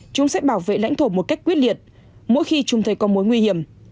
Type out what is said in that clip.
chúng sẽ bảo vệ lãnh thổ một cách quyết liệt mỗi khi chúng thấy có mối nguy hiểm